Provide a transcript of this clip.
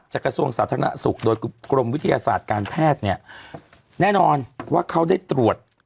กระทรวงสาธารณสุขโดยกรมวิทยาศาสตร์การแพทย์เนี่ยแน่นอนว่าเขาได้ตรวจ